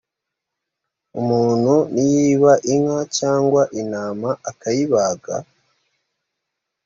umuntu niyiba inka cyangwa intama akayibaga